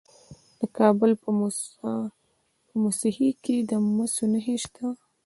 د کابل په موسهي کې د مسو نښې شته.